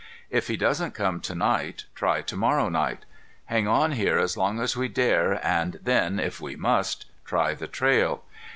If he doesn't come to night, try to morrow night. Hang on here as long as we dare and then, if we must, try the trail.